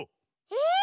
え！